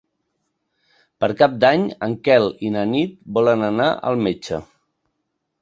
Per Cap d'Any en Quel i na Nit volen anar al metge.